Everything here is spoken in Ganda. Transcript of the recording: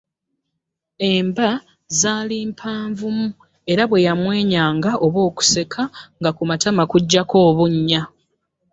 Emba zaali mpanvumu era bwe yamwenyanga oba okuseka nga ku matama kujjako obunnya.